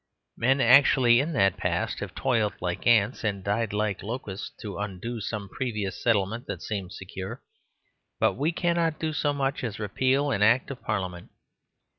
Men actually in that past have toiled like ants and died like locusts to undo some previous settlement that seemed secure; but we cannot do so much as repeal an Act of Parliament.